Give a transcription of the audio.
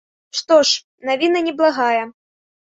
Што ж, навіна неблагая.